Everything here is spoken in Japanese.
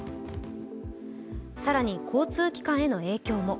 更に、交通機関への影響も。